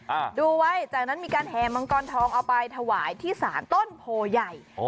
ดูไว้จากนั้นมีการแห่มังกรทองเอาไปถวายที่ศาลต้นโพใหญ่โอ้